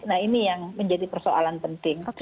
nah ini yang menjadi persoalan penting